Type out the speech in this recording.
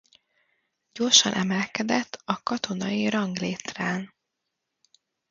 Gyorsan emelkedett a katonai ranglétrán.